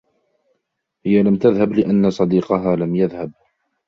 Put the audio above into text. هي لَمْ تذهبْ لأن صديقها لم يذهبْ